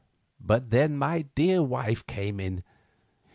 But then my dear wife came in.